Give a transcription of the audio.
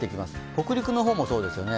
北陸の方もそうですよね。